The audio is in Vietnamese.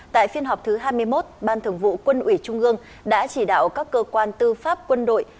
tại phiên họp thứ hai mươi một ban thường vụ quân ủy trung ương đã chỉ đạo các cơ quan tư pháp quân đội